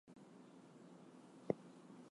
Canada have secured seven quotas in badminton.